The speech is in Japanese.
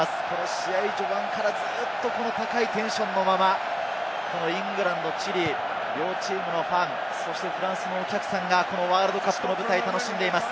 試合序盤からずっと高いテンションのまま、イングランド、チリ、両チームのファン、そしてフランスのお客さんがこのワールドカップの舞台を楽しんでいます。